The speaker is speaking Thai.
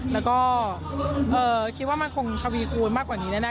แล้วก็คิดว่ามันคงทวีคูณมากกว่านี้แน่